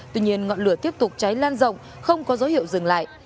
tuy nhiên ngọn lửa tiếp tục cháy lan rộng không có dấu hiệu dừng lại